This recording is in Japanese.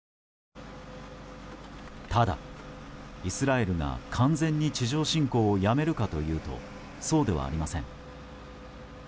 ただ、イスラエルが完全に地上侵攻をやめるかというとそうではありません。